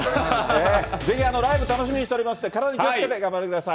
ぜひライブ楽しみにしておりますんで、体に気をつけて頑張ってください。